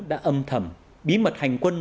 đã âm thầm bí mật hành quân